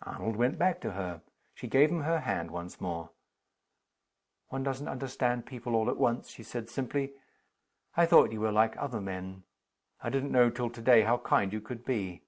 Arnold went back to her. She gave him her hand once more. "One doesn't understand people all at once," she said, simply. "I thought you were like other men I didn't know till to day how kind you could be.